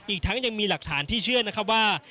อีกทั้งยังมีหลักฐานที่เชื่อนะครับว่า